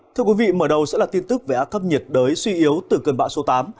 thưa quý vị mở đầu sẽ là tin tức về áp thấp nhiệt đới suy yếu từ cơn bão số tám